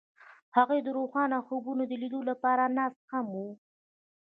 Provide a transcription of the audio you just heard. هغوی د روښانه خوبونو د لیدلو لپاره ناست هم وو.